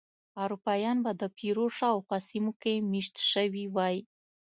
اروپایان به د پیرو شاوخوا سیمو کې مېشت شوي وای.